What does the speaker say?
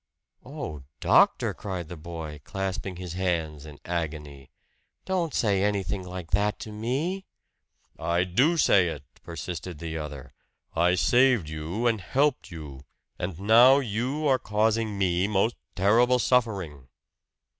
"Oh, doctor!" cried the boy, clasping his hands in agony. "Don't say anything like that to me!" "I do say it!" persisted the other. "I saved you and helped you; and now you are causing me most terrible suffering!"